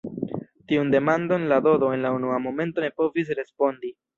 Tiun demandon la Dodo en la unua momento ne povis respondi.